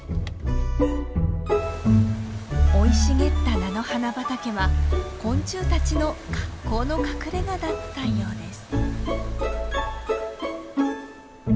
生い茂った菜の花畑は昆虫たちの格好の隠れがだったようです。